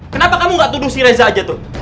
kenapa kamu gak tuduh si reza aja tuh